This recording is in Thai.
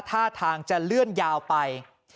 ท่าทางจะเลื่อนยาวไป